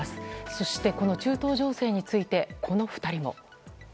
そしてこの中東情勢についてこの２人も。